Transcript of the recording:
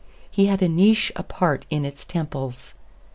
He had a niche apart in its temples.